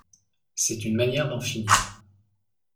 C’est une manière d’en finir.